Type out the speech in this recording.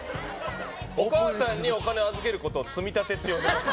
お母さんにお金を預けることを積み立てって呼んでいます。